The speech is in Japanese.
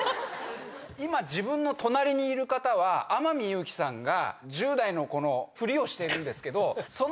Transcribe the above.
今自分の隣にいる方は天海祐希さんが１０代の子のフリをしてるんですけど。